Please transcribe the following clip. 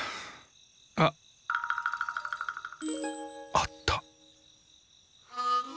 あ！あった。